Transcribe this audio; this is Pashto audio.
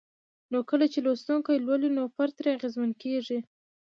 نو کله چې لوستونکي لولي نو فرد ترې اغېزمن کيږي